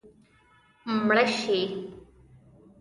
مړه شي